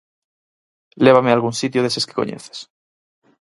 _Lévame a algún sitio deses que coñeces.